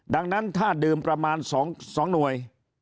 ดังนั้นถ้าดื่มประมาณ๒หน่วย